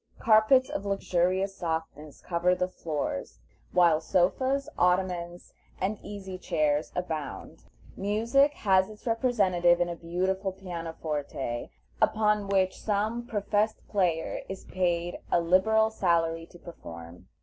Carpets of luxurious softness cover the floors, while sofas, ottomans, and easy chairs abound. Music has its representative in a beautiful pianoforte, upon which some professed player is paid a liberal salary to perform.